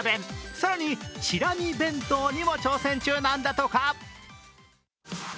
更に、チラ見弁当にも挑戦中なんだとか。